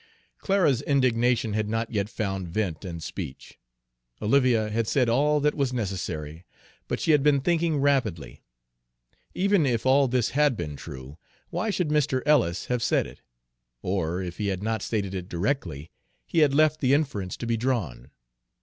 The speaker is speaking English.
Clara's indignation had not yet found vent in speech; Olivia had said all that was necessary, but she had been thinking rapidly. Even if all this had been true, why should Mr. Ellis have said it? Or, if he had not stated it directly, he had left the inference to be drawn.